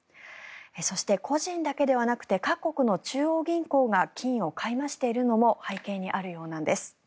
そして、個人だけではなくて各国の中央銀行が金を買い増しているのも背景にあるようなんです。